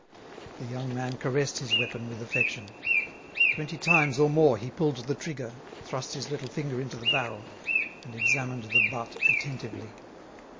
The young man caressed his weapon with affection; twenty times or more he pulled the trigger, thrust his little finger into the barrel, and examined the butt attentively.